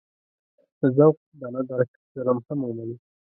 د ذوق د نه درک جرم هم ومني.